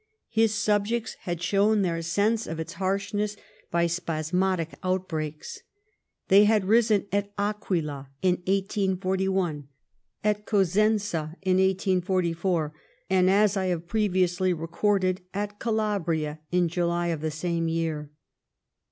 His .subjects had shown their sense of its harshness by spasmodic outbreaks. They had risen at Aquila in 1841 ; at Cosenza in 1S44 ; and, as I have previously recorded, at Calabria, in July of the same year.